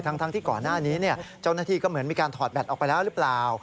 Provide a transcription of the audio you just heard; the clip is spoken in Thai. ทั้งที่ก่อนหน้านี้เจ้าหน้าที่ก็เหมือนมีการถอดแบตออกไปแล้วหรือเปล่า